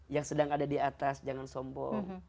yang sedang ada di atas jangan sombong